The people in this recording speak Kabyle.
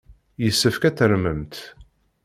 Yessefk ad tarmemt!